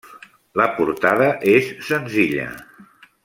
La portada és senzilla.